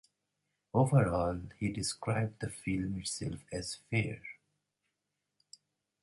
Overall, he described the film itself as "fair".